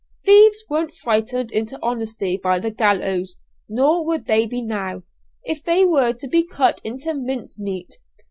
Thieves weren't frightened into honesty by the gallows, nor would they be now, if they were to be cut into mince meat.